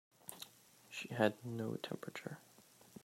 She had no temperature.